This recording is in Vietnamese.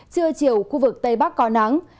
trưa chiều khu vực tây bắc có nắng